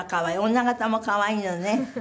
女形も可愛いのね。